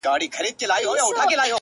يمه دي غلام سترگي راواړوه”